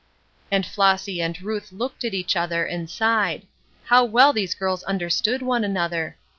And Flossy and Ruth looked at each other, and sighed. How well these girls understood one another!